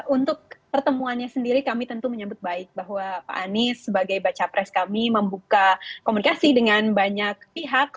untuk pertemuannya sendiri kami tentu menyambut baik bahwa pak anies sebagai baca pres kami membuka komunikasi dengan banyak pihak